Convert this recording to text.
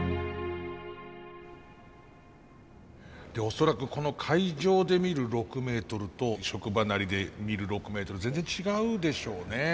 恐らくこの会場で見る６ｍと職場なりで見る６ｍ全然違うでしょうね。